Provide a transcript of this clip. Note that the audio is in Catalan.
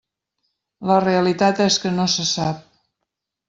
La realitat és que no se sap.